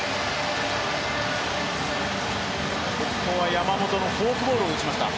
山本のフォークボールを打ちました。